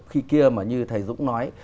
khi kia mà như thầy dũng nói